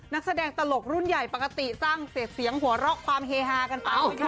นักแสดงตลกรุ่นใหญ่ปกติสร้างเสร็จเสียงหัวเราะความเฮฮากันไป